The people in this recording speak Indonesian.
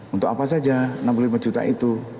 untuk apa saja enam puluh lima juta itu